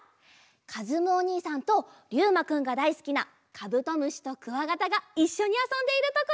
かずむおにいさんとりゅうまくんがだいすきなカブトムシとクワガタがいっしょにあそんでいるところです。